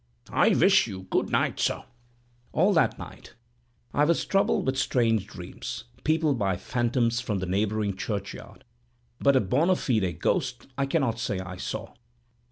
I wish you good night, sir." All that night I was troubled with strange dreams, peopled by phantoms from the neighboring churchyard; but a bona fide ghost I cannot say I saw.